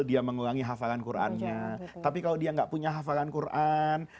dia mengulangi hafalan qurannya tapi kalau dia nggak punya hafalan quran